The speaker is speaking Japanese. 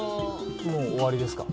もう終わりですか？